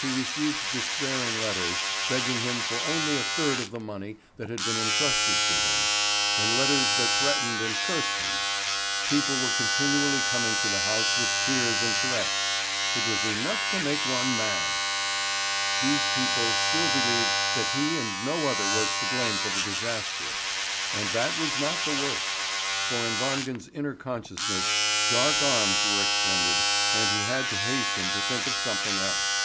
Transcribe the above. He received despairing letters, begging him for only a third of the money that had been entrusted to him; and letters that threatened and cursed him. People were continually coming to the house with tears and threats. It was enough to make one mad. These people still believed that he and no other was to blame for the disaster. And that was not the worst; for in Wangen's inner consciousness, dark arms were extended, and he had to hasten to think of something else.